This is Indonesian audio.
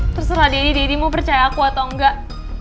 terserah deddy deddy mau percaya aku atau enggak